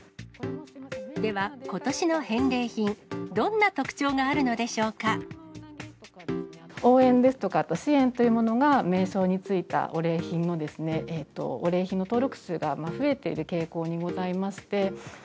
では、ことしの返礼品、応援ですとか、あと支援というものが名称に付いたお礼品の登録数が増えている傾向にございまして。